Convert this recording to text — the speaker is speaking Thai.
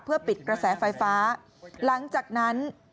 ปิดกระแสไฟฟ้าหลังจากนั้น